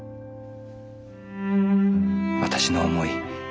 私の思い